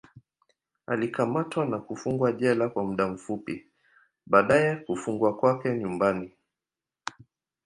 Alikamatwa na kufungwa jela kwa muda fupi, baadaye kufungwa kwake nyumbani.